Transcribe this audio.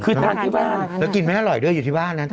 คือทานที่บ้านแล้วกินไม่อร่อยด้วยอยู่ที่บ้านนะ